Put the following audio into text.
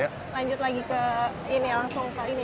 lanjut lagi ke ini ya langsung ke ini ya pak